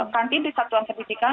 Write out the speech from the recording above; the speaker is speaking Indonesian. kantin di satuan pendidikan